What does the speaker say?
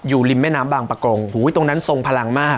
อยู่ริมแม่น้ำบางประกงตรงนั้นทรงพลังมาก